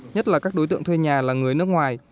nhất là các đối tượng thuê nhà là người nước ngoài